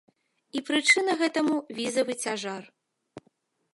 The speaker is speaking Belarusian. І прычына гэтаму візавы цяжар.